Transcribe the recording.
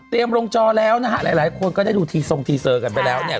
ลงจอแล้วนะฮะหลายหลายคนก็ได้ดูทีทรงทีเซอร์กันไปแล้วเนี่ย